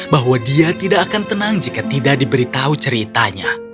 bahwa dia tidak akan tenang jika tidak diberitahu ceritanya